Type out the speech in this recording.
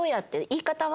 言い方は？